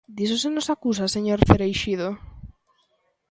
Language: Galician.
¿Diso se nos acusa, señor Cereixido?